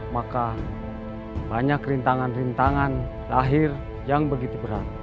maka banyak rintangan rintangan lahir yang begitu berat